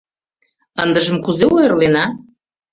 Ындыжым кузе ойырлена?